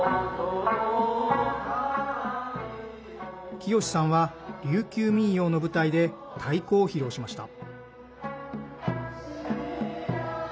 清さんは、琉球民謡の舞台で太鼓を披露しました。